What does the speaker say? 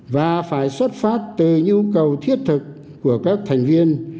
và phải xuất phát từ nhu cầu thiết thực của các thành viên